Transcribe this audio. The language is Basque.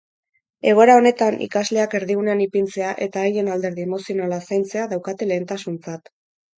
Egoera honetan ikasleak erdigunean ipintzea eta haien alderdi emozionala zaintzea daukate lehentasuntzat.